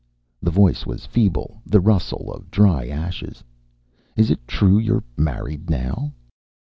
The voice was feeble, the rustle of dry ashes. "Is it true you're married now?"